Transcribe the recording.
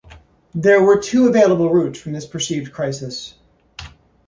There were two available routes from this perceived crisis.